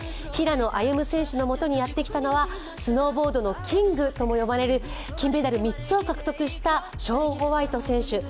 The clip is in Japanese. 平野歩夢選手の元にやってきたのはスノーボードのキングとも呼ばれる金メダル３つを獲得したショーン・ホワイト選手。